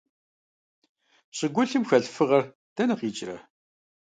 ЩӀыгулъым хэлъ фыгъэр дэнэ къикӀрэ?